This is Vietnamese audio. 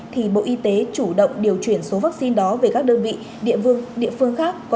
thì bộ y tế chủ động điều chuyển số vaccine đó về các đơn vị địa phương khác